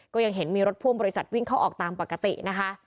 ก็ยังเห็นมีรถพ่วงบริษัทวิ่งเข้าออกตามปกตินะคะ